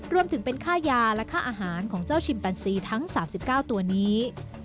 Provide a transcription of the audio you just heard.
รวมถึงเป็นค่ายาและค่าอาหารของเจ้าชิมปันซีทั้ง๓๙ตัวนี้